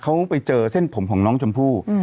เขาไปเจอเส้นผมของน้องชมพู่